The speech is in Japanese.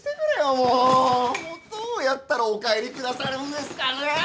もうどうやったらお帰りくださるんですかねえ！？